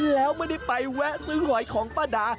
แล้วไม่ได้ไปแวะซื้อหอยของป้าดา